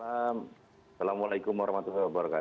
assalamualaikum wr wb